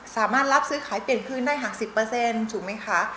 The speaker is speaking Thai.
สามารถรับซื้อขายเปลี่ยนคืนได้หาก๑๐ถูกไหมคะ